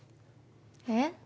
えっ？